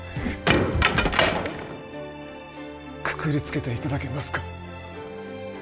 くくりつけて頂けますか？